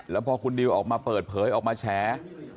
แล้วพอคุณดิวออกมาเปิดเผยออกมาแฉ